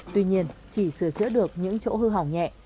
tuy nhiên chỉ sửa chữa được những chỗ hư hỏng nhẹ